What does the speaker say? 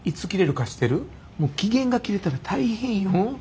もう期限が切れたら大変よ。